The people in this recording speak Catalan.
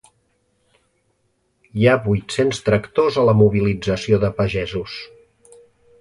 Hi ha vuit-cents tractors a la mobilització de pagesos.